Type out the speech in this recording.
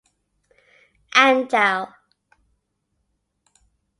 Angell.